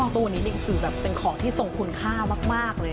อ๋อตัวนี้เป็นของที่สงคุณค่ามากเลยนะเนี่ย